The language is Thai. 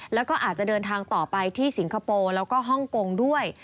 แล้วก็อาจจะเดินทางต่อไปที่สิงคโปร์แล้วก็ฮ่องกงด้วย